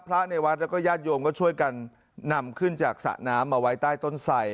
ในวัดแล้วก็ญาติโยมก็ช่วยกันนำขึ้นจากสระน้ำมาไว้ใต้ต้นไส